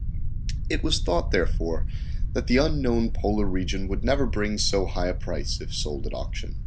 It was thought, therefore, that the unknown polar region would never bring so high a price if sold at auction.